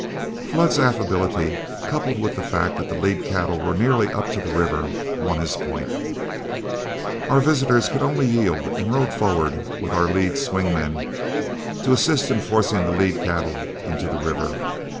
Flood's affability, coupled with the fact that the lead cattle were nearly up to the river, won his point. Our visitors could only yield, and rode forward with our lead swing men to assist in forcing the lead cattle into the river.